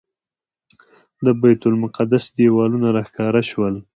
د بیت المقدس دیوالونه راښکاره شول.